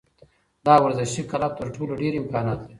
دا ورزشي کلب تر ټولو ډېر امکانات لري.